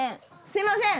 すいません！